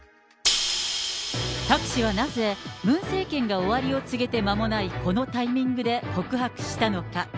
タク氏はなぜ、ムン政権が終わりを告げて間もないこのタイミングで告白したのか。